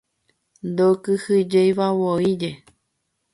Ndokyhyjeivavoíje.